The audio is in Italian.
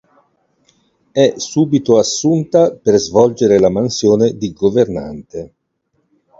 È subito assunta per svolgere la mansione di governante.